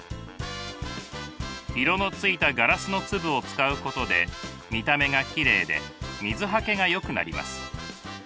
色のついたガラスの粒を使うことで見た目がきれいで水はけがよくなります。